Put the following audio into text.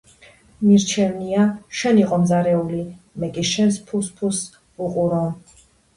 მირჩევნია, შენ იყო მზარეული, მე კი შენს ფუსფუსს ვუყურო.